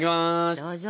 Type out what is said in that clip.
どうぞ！